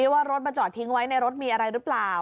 ว่ารถมาจอดทิ้งไว้ในรถมีอะไรหรือเปล่า